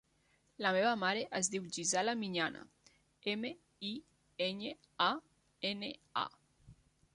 La meva mare es diu Gisela Miñana: ema, i, enya, a, ena, a.